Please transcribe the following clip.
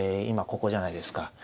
今ここじゃないですか。